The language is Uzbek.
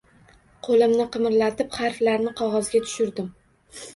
Qo’limni qimirlatib, harflarni qog’ozga tushirdim.